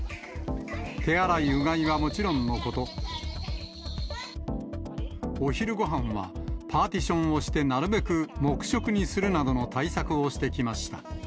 手洗い、うがいはもちろんのこと、お昼ごはんはパーティションをして、なるべく黙食にするなどの対策をしてきました。